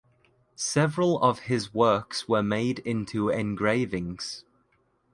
Several of his works were made into engravings.